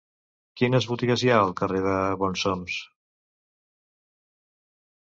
Quines botigues hi ha al carrer de Bonsoms?